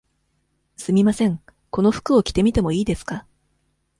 すみません、この服を着てみてもいいですか。